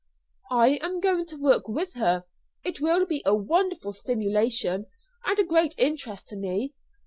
"I am going to work with her. It will be a wonderful stimulation, and a great interest to me.